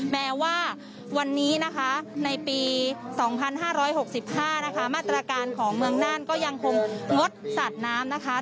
แม้ว่าวันนี้ในปี๒๕๖๕มาตรการของเมืองน่านก็ยังคงงดสัดน้ำ